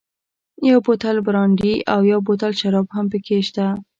یو بوتل برانډي او یو بوتل شراب هم پکې شته.